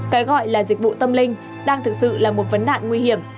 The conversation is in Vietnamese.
cái gọi là dịch vụ tâm linh đang thực sự là một vấn nạn nguy hiểm